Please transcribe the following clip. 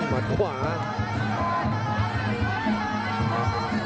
มันขวางแล้ว